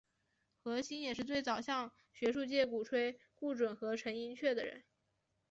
何新也是最早向学术界鼓吹顾准和陈寅恪的人。